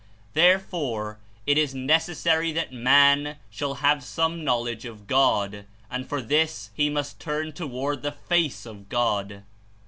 Therefore It is necessary that man shall have some knowledge of God, and for this he must turn toward 123 the 'Tace" of God.